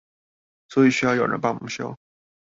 所以需要有人幫忙修